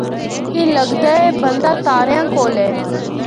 اے لگدا اے بندہ تاریاں کول اے۔